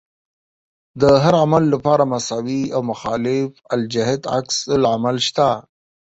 د هر عمل لپاره مساوي او مخالف الجهت عکس العمل شته.